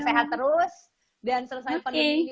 sehat terus dan selesai penuh